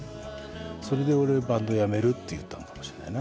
それで俺「バンドやめる」って言ったのかもしれないな